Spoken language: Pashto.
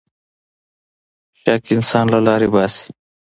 شک انسان له لارې باسـي.